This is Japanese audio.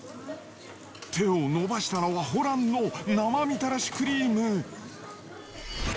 手を伸ばしたのはホランの生みたらしクリーム。